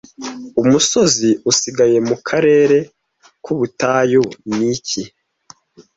Umusozi usigaye mu karere k'ubutayu ni iki